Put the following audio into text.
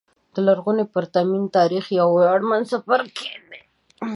د لرغوني پرتمین تاریخ یو ویاړمن څپرکی دی.